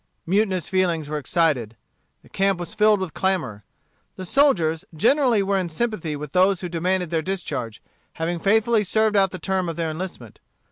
Mutinous feelings were excited. The camp was filled with clamor. The soldiers generally were in sympathy with those who demanded their discharge, having faithfully served out the term of their enlistment.